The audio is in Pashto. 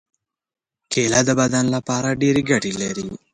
کېله د بدن لپاره ډېرې ګټې لري.